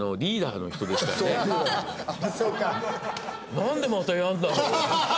「なんでまたやるんだろう？」。